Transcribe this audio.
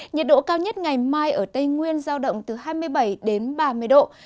nhiệt độ cao nhất ngày mai ở tây nguyên giao động từ hai mươi bảy đến ba mươi độ